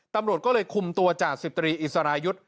ตำรวจก็เลยคุมตัวจ่าสิบตรีอิสรายุทธ์